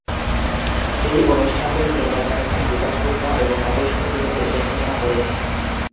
এই অনুষ্ঠানটির নির্মাতা হচ্ছেন বিকাশ গুপ্তা এবং একই সাথে তিনি এর উপস্থাপনা করেন।